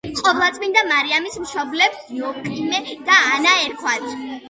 ყოვლადწმიდა მარიამის მშობლებს იოაკიმე და ანა ერქვათ.